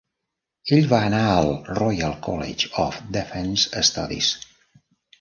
Ell va anar al Royal College of Defence Studies.